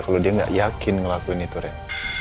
kalau dia nggak yakin ngelakuin itu ren